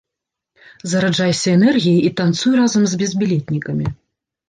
Зараджайся энергіяй і танцуй разам з безбілетнікамі!